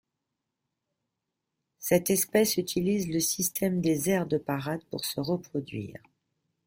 Cette espèce utilise le système des aires de parade pour se reproduire.